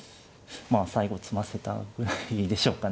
まあ最後詰ませたくらいでしょうかね。